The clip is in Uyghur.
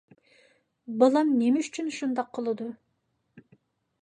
بالام نېمە ئۈچۈن شۇنداق قىلىدۇ؟